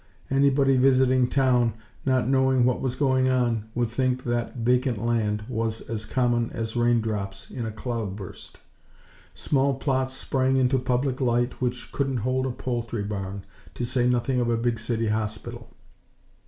Anybody visiting town, not knowing what was going on, would think that vacant land was as common as raindrops in a cloudburst. Small plots sprang into public light which couldn't hold a poultry barn, to say nothing of a big City Hospital.